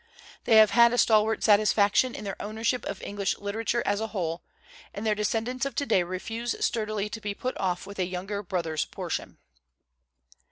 They have had a stalwart satisfaction in their ownership of English literature as a whole; and their descen dants of today refuse sturdily to be put off with a younger brother's portion.